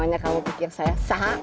emangnya kamu pikir saya salah